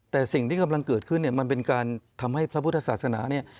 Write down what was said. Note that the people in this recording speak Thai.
แต่สิ่งที่กำลังเกิดขึ้นเนี่ยมันเป็นการทำให้พระพุทธศาสนาเนี่ย